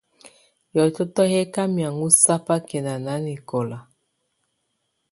Hiɔ̀tɔtɔ yɛ̀ kà mianhɔ̀á sabakɛ̀na nanɛkɔla.